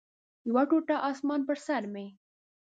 یو ټوټه اسمان پر سر مې